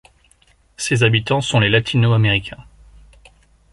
Ses habitants sont les Latino-Américains.